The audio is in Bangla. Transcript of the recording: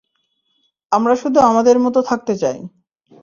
আমরা শুধু আমাদের মতো থাকতে চাই।